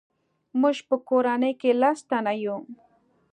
موږ په کورنۍ کې لس تنه یو.